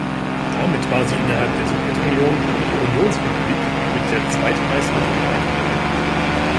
Damit war sie innerhalb der Sowjetunion die Unionsrepublik mit der zweitmeisten Verbreitung.